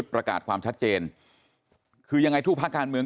ประกาศความชัดเจนคือยังไงทุกภาคการเมือง